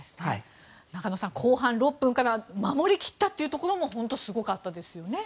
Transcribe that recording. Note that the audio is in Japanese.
中野さん後半６分からは守りきったところも本当すごかったですよね。